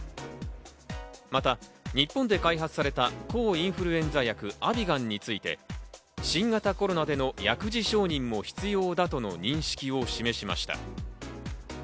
また、日本で開発された、抗インフルエンザ薬アビガンについて、新型コロナでの薬事承認も必要だとの認識を示しました。